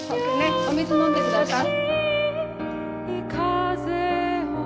お水飲んで下さい。